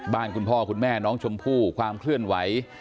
คุณพ่อคุณแม่น้องชมพู่ความเคลื่อนไหว